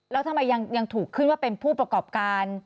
แล้วทำไมยังถูกขึ้นว่าเป็นผู้ประกอบการ